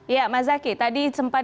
ya mas zaky tadi sempat